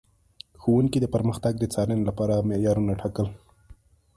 ښوونکي د پرمختګ د څارنې لپاره معیارونه ټاکل.